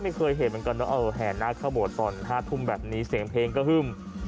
ไม่เคยเห็นเหมือนกันนะแห่นาคเข้าโบสถ์ตอน๕ทุ่มแบบนี้เสียงเพลงก็ฮึ่ม